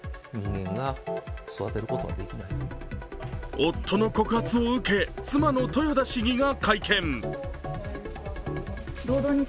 夫の告発を受け妻の豊田市議が会見。